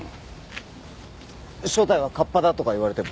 正体はカッパだとか言われても？